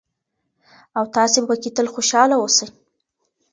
او تاسې به پکې تل خوشحاله اوسئ.